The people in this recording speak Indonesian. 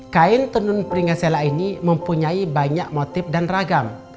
kain tenun peringasella ini mempunyai banyak motif dan ragam